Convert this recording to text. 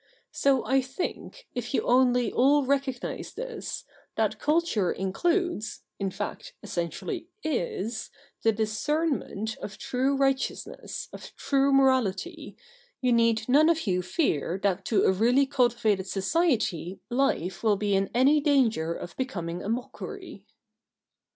So I think, if you only all recognise this, that culture includes — in fact, essentially is — the discernment of true righteousness, of true morality, you need none of you fear that to a really cultivated society life will be in any danger of becoming a mockery.'